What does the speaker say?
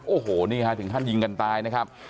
โอ้โหนี่ฮะถึงขั้นยิงกันตายนะครับ